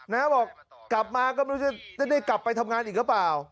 นะบอกกลับมาก็ไม่รู้จะได้กลับไปทำงานอีกหรือเปล่า